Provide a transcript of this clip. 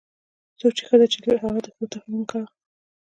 څوک چې ښځې چلوي، له هغو د ښو تمه مه کوه.